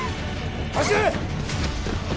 走れ！